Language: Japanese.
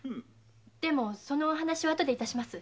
でもそのお話はあとでいたします。